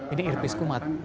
ini irbis kumat